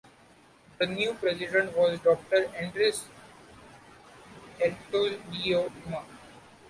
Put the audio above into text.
The new president was Doctor Andreas Aristodemou.